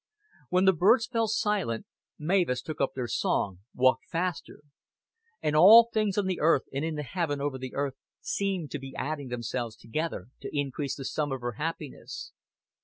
When the birds fell silent Mavis took up their song, walked faster; and all things on the earth and in the heaven over the earth seemed to be adding themselves together to increase the sum of her happiness.